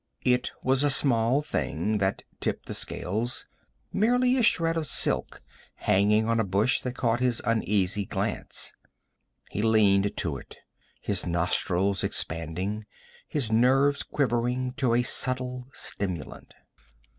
It was a small thing that tipped the scales merely a shred of silk hanging on a bush that caught his uneasy glance. He leaned to it, his nostrils expanding, his nerves quivering to a subtle stimulant.